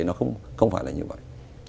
nó không phải là như vậy